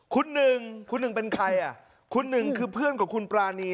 คุณหนึ่งคุณหนึ่งเป็นใครอ่ะคุณหนึ่งคือเพื่อนของคุณปรานี